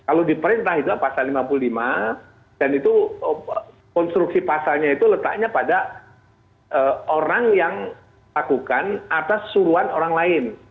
kalau diperintah itu pasal lima puluh lima dan itu konstruksi pasalnya itu letaknya pada orang yang lakukan atas suruhan orang lain